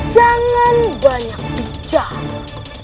jangan banyak bicara